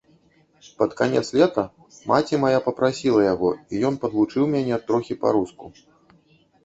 Пад канец лета маці мая папрасіла яго, і ён падвучыў мяне троху па-руску.